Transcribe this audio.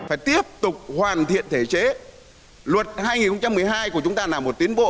phải tiếp tục hoàn thiện thể chế luật hai nghìn một mươi hai của chúng ta là một tiến bộ